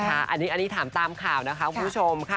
อันนี้ถามตามข่าวนะคะคุณผู้ชมค่ะ